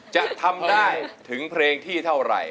จะทำได้ถึงเพลงที่เท่าไหร่